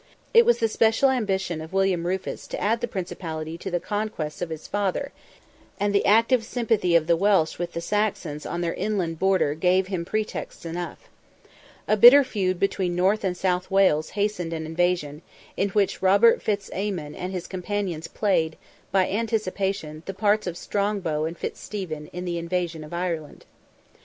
It was the special ambition of William Rufus to add the principality to the conquests of his father, and the active sympathy of the Welsh with the Saxons on their inland border gave him pretexts enough. A bitter feud between North and South Wales hastened an invasion, in which Robert Fitz Aymon and his companions played, by anticipation, the parts of Strongbow and Fitz Stephen, in the invasion of Ireland.